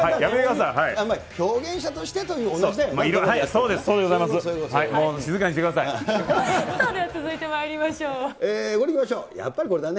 表現者としてという同じでね。